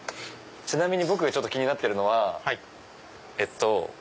ちなみに僕が気になってるのはえっと。